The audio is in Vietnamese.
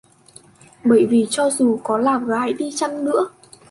Bởi vì cho dù có àm gái đi chăng nữa